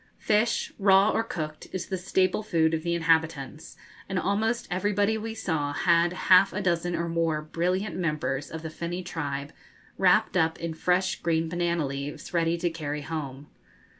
Fish raw or cooked is the staple food of the inhabitants, and almost everybody we saw had half a dozen or more brilliant members of the finny tribe, wrapped up in fresh green banana leaves, ready to carry home.